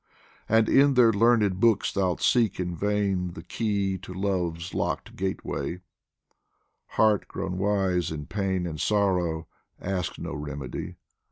And in their learned books thou'lt seek in vain The key to Love's locked gateway ; Heart grown wise In pain and sorrow, ask no remedy